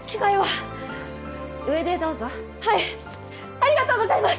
ありがとうございます！